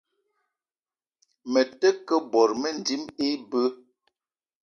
Me te ke bot mendim ibeu.